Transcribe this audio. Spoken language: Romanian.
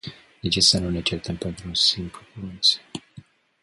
De ce să nu ne certăm pentru un simplu cuvânt?